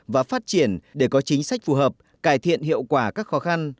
và phát triển để có chính sách phù hợp cải thiện hiệu quả các khó khăn